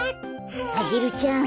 アゲルちゃん